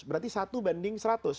berarti satu banding seratus